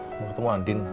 mau ketemu andin